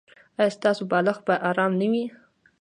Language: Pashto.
ایا ستاسو بالښت به ارام نه وي؟